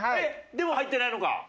でも入ってないのか。